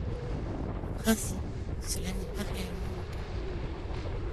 En principe, cela n'est pas réellement le cas.